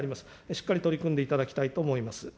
しっかり取り組んでいただきたいと思います。